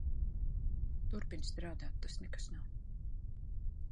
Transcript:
Turpini strādāt. Tas nekas nav.